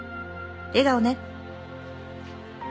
笑顔ね！」